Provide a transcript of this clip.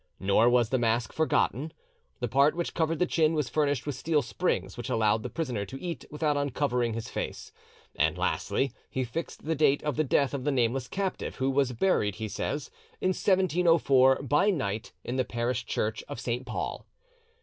Nor was the mask forgotten: "The part which covered the chin was furnished with steel springs, which allowed the prisoner to eat without uncovering his face." And, lastly, he fixed the date of the death of the nameless captive; who "was buried," he says, "in 1704., by night, in the parish church of Saint Paul."